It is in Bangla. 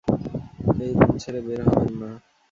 এই রূম ছেড়ে বের হবেন না।